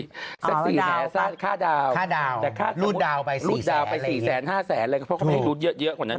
สัตว์สีแหงค่าดาวรูดดาวไป๔๕แสนเลยครับเพราะไม่ให้รูดเยอะ